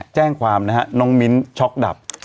แจ้งความนะฮะน้องมิ้นช็อกดับ